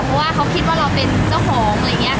เพราะว่าเขาคิดว่าเราเป็นเจ้าของอะไรอย่างนี้ค่ะ